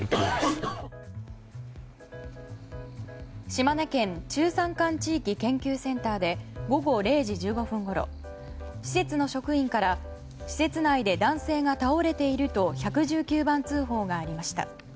島根県中山間地域研究センターで午後０時１５分ごろ施設の職員から施設内で男性が倒れていると１１９番通報がありました。